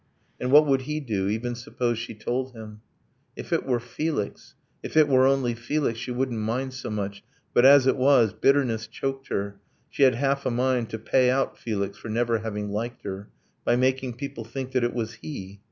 And what would he do even suppose she told him? If it were Felix! If it were only Felix! She wouldn't mind so much. But as it was, Bitterness choked her, she had half a mind To pay out Felix for never having liked her, By making people think that it was he